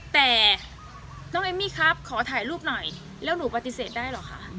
แต่น้องเอมมี่ครับขอถ่ายรูปหน่อยแล้วหนูปฏิเสธได้เหรอคะ